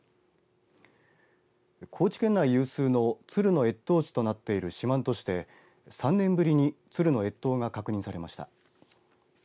高知県内有数の鶴の越冬地となっている四万十市で３年ぶりに鶴の越冬が確認されました。